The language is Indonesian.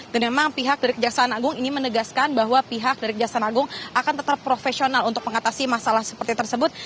dan memang pihak dari kejaksaan agung ini menegaskan bahwa pihak dari kejaksaan agung akan tetap profesional untuk mengatasi masalah seperti tersebut